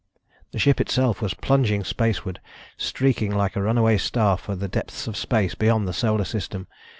The ship itself was plunging spaceward, streaking like a runaway star for the depths of space beyond the Solar System.